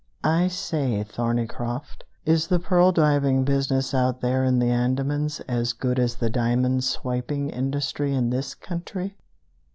"I say, Thorneycroft, is the pearl diving business out there in the Andamans as good as the diamond swiping industry in this country?"